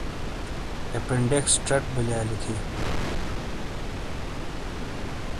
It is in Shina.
اپینڈکس چَٹ بِیلیا لی تھی۔